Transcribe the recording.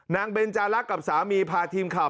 เบนจารักษ์กับสามีพาทีมข่าว